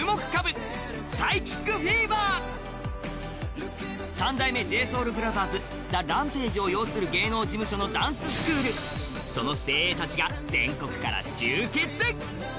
ＰＳＹＣＨＩＣＦＥＶＥＲ三代目ＪＳＯＵＬＢＲＯＴＨＥＲＳＴＨＥＲＡＭＰＡＧＥを擁する芸能事務所のダンススクールその精鋭たちが全国から集結